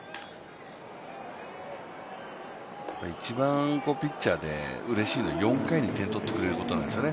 一番ピッチャーでうれしいのは４回に点を取ってくれることなんですよね。